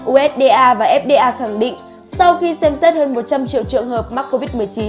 usda và fda khẳng định sau khi xem xét hơn một trăm linh triệu trường hợp mắc covid một mươi chín